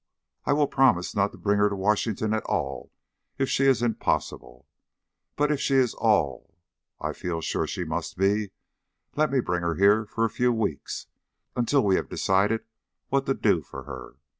I will promise not to bring her to Washington at all if she is impossible, but if she is all I feel sure she must be, let me bring her here for a few weeks, until we have decided what to do for her.